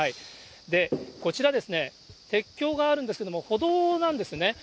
こちらですね、鉄橋があるんですけれども、歩道なんですね。